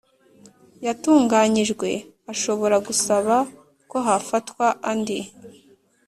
yatunganyijwe ashobora gusaba ko hafatwa andi